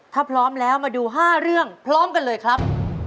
ถ้าพร้อมแล้วมาดู๕เรื่องพร้อมกันเลยครับ